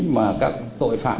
mà các tội phạm